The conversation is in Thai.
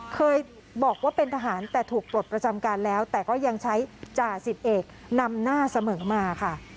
เคยบอกว่าเป็นทหารแต่ถูกปลดประจำการแล้วแต่ก็ยังใช้จ่าสิบเอกนำหน้าเสมอมาค่ะ